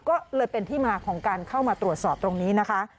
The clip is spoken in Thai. ก็เลยเป็นที่มาของการเข้ามาตรวจสอบตรงนี้นะคะ